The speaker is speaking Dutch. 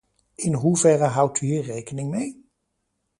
In hoeverre houdt u hier rekening mee?